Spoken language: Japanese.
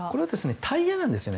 タイヤなんですよね。